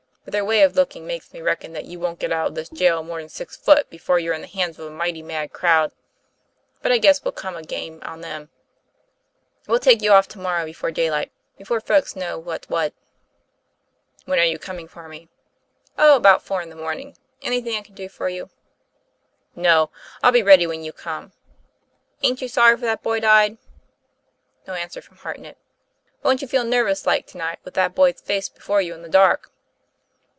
But their way of looking makes me reckon that you won't get out of this jail more'n six foot before you're in the hands of a mighty mad crowd. But I guess we'll come a game on them. We'll take you off to morrow before daylight, before folks know what's what." 'When are you coming for me?" ' Oh, about four in the morning. Anything I can do for you ?" "No; I'll be ready when you come." "Ain't you sorry that boy died?" No answer from Hartnett. 'Won't you feel nervous like to night, with that boy's face before you in the dark?"